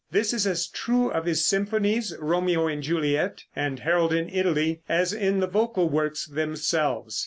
This is as true of his symphonies, "Romeo and Juliet," and "Harold in Italy," as in the vocal works themselves.